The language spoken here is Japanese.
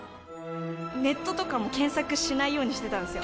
ネットとかも検索しないようにしてたんですよ。